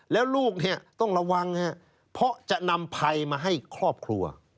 แล้วลูกเนี่ยต้องระวังเพราะจะนำภัยมาให้ครอบครัว